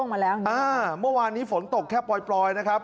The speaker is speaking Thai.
เมื่อวานนี้ฝนตกแค่ปล่อยนะครับ